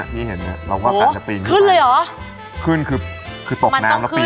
เสร็จเป็นบาทยักษ์อ่ะไม่เท่าไหร่ก็ซ้อมต่อไป